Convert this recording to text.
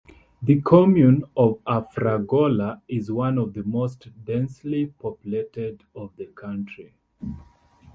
The "comune" of Afragola is one of the most densely populated of the country.